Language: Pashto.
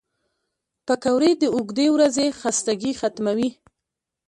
پکورې د اوږدې ورځې خستګي ختموي